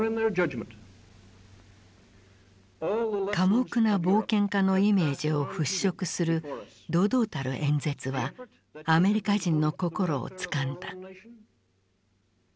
「寡黙な冒険家」のイメージを払拭する堂々たる演説はアメリカ人の心をつかんだ。